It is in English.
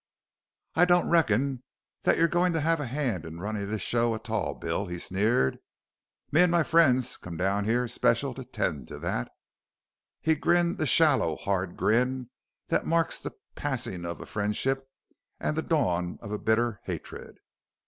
"I don't reckon that you're goin' to have a hand in runnin' this show a tall, Bill," he sneered. "Me an' my friends come down here special to tend to that." He grinned the shallow, hard grin that marks the passing of a friendship and the dawn of a bitter hatred.